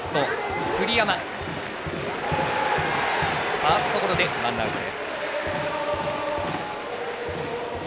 ファーストゴロでワンアウトです。